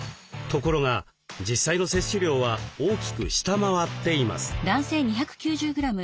ところが実際の摂取量は大きく下回っています。